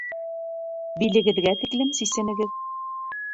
Билегеҙгә тиклем сисенегеҙ.